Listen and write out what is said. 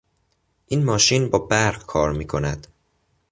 این ماشین با برق کار میکند.